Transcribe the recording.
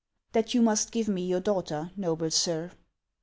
" That you must give me your daughter, noble sir."